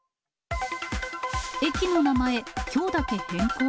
駅の名前、きょうだけ変更？